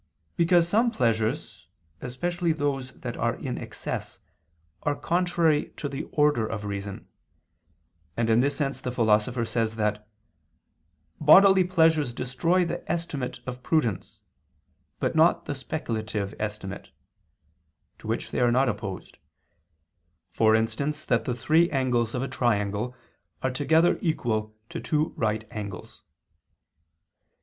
Because some pleasures, especially those that are in excess, are contrary to the order of reason: and in this sense the Philosopher says that "bodily pleasures destroy the estimate of prudence, but not the speculative estimate," to which they are not opposed, "for instance that the three angles of a triangle are together equal to two right angles."